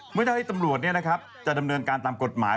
หน้าที่ตำรวจจะดำเนินการตามกฎหมาย